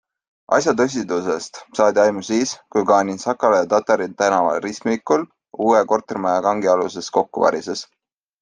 Asja tõsidusest saadi aimu siis, kui Ganin Sakala ja Tatari tänava ristmikul uue kortermaja kangialuses kokku varises.